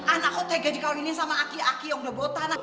anakku tega di kawin ini sama aki aki yang udah bawa tanah